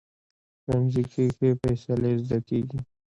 ښوونځی کې ښې فیصلې زده کېږي